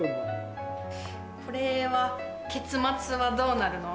これは結末はどうなるの？